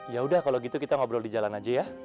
yaudah kalo gitu kita ngobrol di jalan aja ya